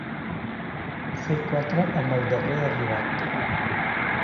Fer quatre amb el darrer arribat.